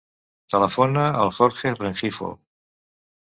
Telefona al Jorge Rengifo.